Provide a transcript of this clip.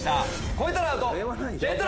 超えたらアウト！